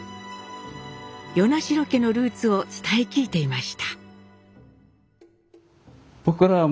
与那城家のルーツを伝え聞いていました。